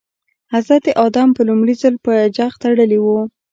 حضرت ادم په لومړي ځل په جغ تړلي وو.